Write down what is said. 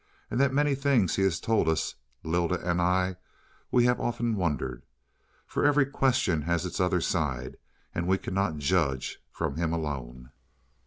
And the many things he has told us Lylda and I we have often wondered. For every question has its other side, and we cannot judge from him alone."